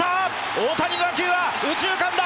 大谷の打球は右中間だ。